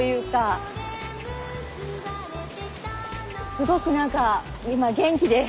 すごく何か今元気です。